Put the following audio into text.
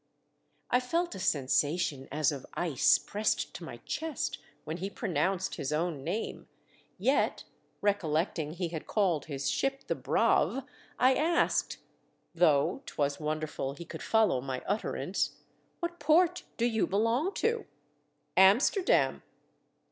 I felt a sensation as of ice pressed to my chest when he pronounced his own name, yet, recollecting he had called his ship the Braave, I asked, though 'twas wonderful he could follow my utterance —" What port do you belong to ?"" Amsterdam."